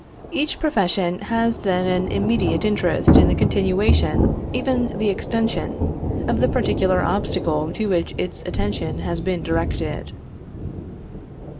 Each profession has then an immediate interest in the continuation, even in the extension, of the particular obstacle to which its attention has been directed.